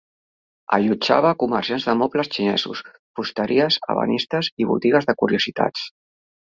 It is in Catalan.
Allotjava comerciants de mobles xinesos, fusteries, ebenistes i botigues de curiositats.